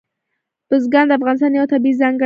بزګان د افغانستان یوه طبیعي ځانګړتیا ده.